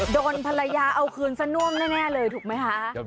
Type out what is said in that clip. โดนภรรยาเอาคืนซะน่วมแน่เลยถูกไหมคะ